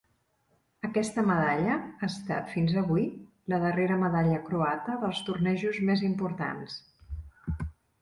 Aquesta medalla ha estat, fins avui, la darrera medalla croata dels tornejos més importants.